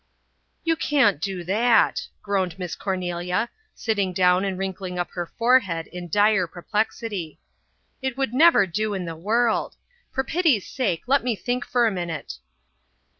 "You can't do that," groaned Miss Cornelia, sitting down and wrinkling up her forehead in dire perplexity. "It would never do in the world. For pity's sake, let me think for a minute."